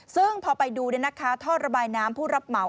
ซึ่งพอไปดูท่อระบายน้ำผู้รับเหมา